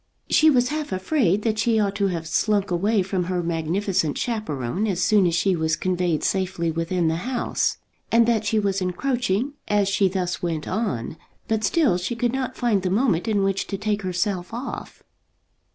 She was half afraid that she ought to have slunk away from her magnificent chaperon as soon as she was conveyed safely within the house, and that she was encroaching as she thus went on; but still she could not find the moment in which to take herself off.